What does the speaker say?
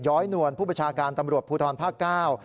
้อยนวลผู้ประชาการตำรวจภูทรภาคเก้า